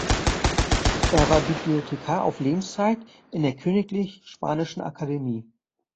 Er war Bibliothekar auf Lebenszeit in der Königlich Spanischen Akademie.